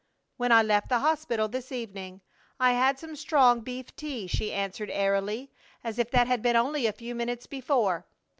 "When I left the hospital this evening. I had some strong beef tea," she answered, airily, as if that had been only a few minutes before.